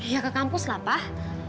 ya ke kampus lah pak